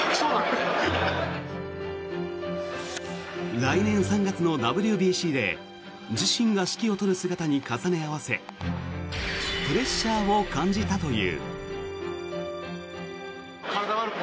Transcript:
来年３月のＷＢＣで自身が指揮を執る姿に重ね合わせプレッシャーを感じたという。